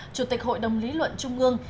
chủ tịch hội đồng lý luận trung ương